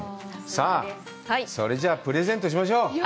さあ、それじゃあプレゼントしましょう。